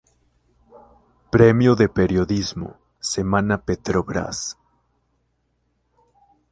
Premio de periodismo Semana-Petrobras.